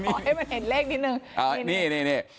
ให้มันเห็นเลขนิดนึง